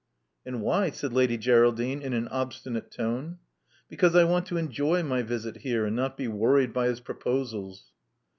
And why?" said Lady Geraldine in an obstinate tone. *' Because I want to enjoy my visit here and not be worried by his proposals."